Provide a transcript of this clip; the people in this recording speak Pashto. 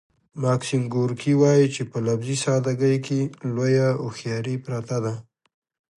ماکسیم ګورکي وايي چې په لفظي ساده ګۍ کې لویه هوښیاري پرته ده